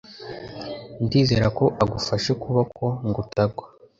Ndizera ko agufashe ukuboko ngutagwa